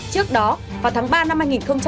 trước đó vào tháng ba năm hai nghìn hai mươi